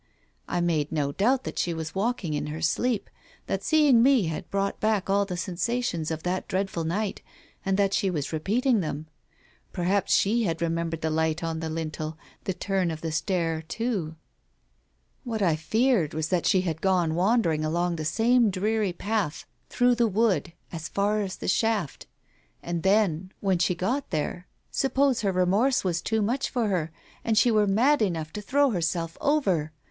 I made no doubt that she was walking in her sleep — that seeing me had brought back all the sensations of that dreadful night, and that she was repeating them. Perhaps she had remembered the light on the lintel, the turn of the stair too? ... What I feared was that she had gone wandering along the same dreary path through the wood, as far as the shaft. And then, when she got there, suppose her remorse was too much for her and she were mad enough to throw herself over